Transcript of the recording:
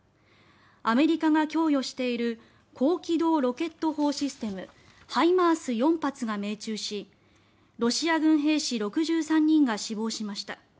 アメリカが供与している高機動ロケット砲システムＨＩＭＡＲＳ４発が命中しロシア軍兵士６３人が死亡しました。